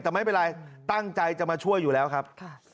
แต่ไม่เป็นไรตั้งใจจะมาช่วยอยู่แล้วครับ